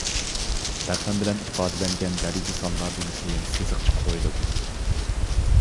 رەقەم بىلەن ئىپادىلەنگەن دەرىجە سانلاردىن كېيىن سىزىقچە قويۇلىدۇ.